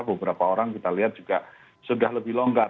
beberapa orang kita lihat juga sudah lebih longgar